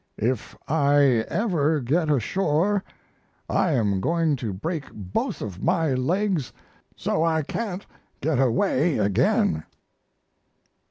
"If I ever get ashore I am going to break both of my legs so I can't, get away again."